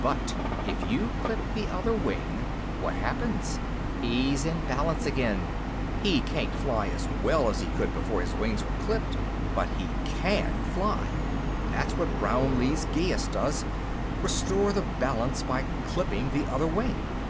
But if you clip the other wing, what happens? He's in balance again. He can't fly as well as he could before his wings were clipped but he can fly! "That's what Brownlee's geas does restore the balance by clipping the other wing."